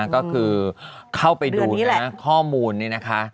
ก็คือเข้าไปดูนะข้อมูลนี่นะคะ